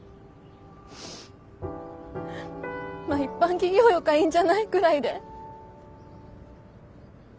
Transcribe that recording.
まっ一般企業よかいいんじゃない？くらいで。